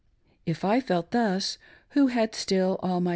If I felt' thus, who had still all my.